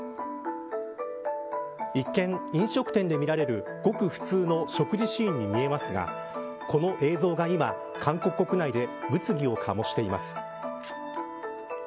一見、飲食店で見られるごく普通の食事シーンに見えますがこの映像が今、韓国国内で物議を醸しています。